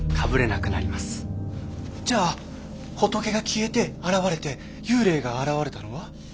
じゃあ仏が消えて現れて幽霊が現れたのは？